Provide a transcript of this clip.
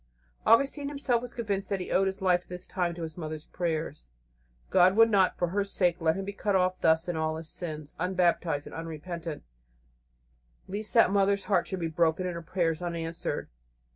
Augustine himself was convinced that he owed his life at this time to his mother's prayers. God would not, for her sake, let him be cut off thus in all his sins, unbaptized and unrepentant, lest that mother's heart should be broken and her prayers unanswered.